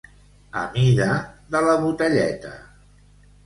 A mida de «la Botelleta».